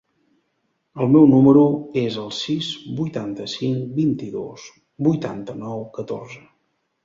El meu número es el sis, vuitanta-cinc, vint-i-dos, vuitanta-nou, catorze.